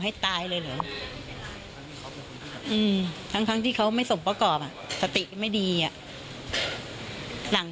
ให้ตายเลยเหรอทั้งที่เขาไม่สมประกอบสติไม่ดีอ่ะ